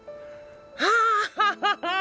ハアハハハ！